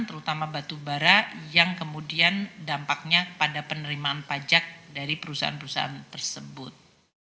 terutama batu bara yang kemudian dampaknya kepada penerimaan pajak dari perusahaan perusahaan tersebut